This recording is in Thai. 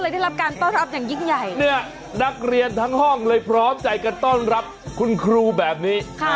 นี่นักเรียนทั้งห้องเลยพร้อมใจกับต้อนรับคุณครูแบบนี้